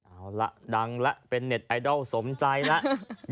เอาละดังแล้วเป็นเน็ตไอดอลสมใจแล้ว